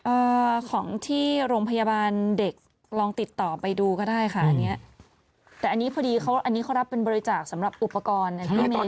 ของที่โรงพยาบาลเด็กลองติดต่อไปดูก็ได้ค่ะอันเนี้ยแต่อันนี้พอดีเขาอันนี้เขารับเป็นบริจาคสำหรับอุปกรณ์อันนี้พี่เม